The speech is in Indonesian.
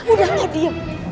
udah gue diem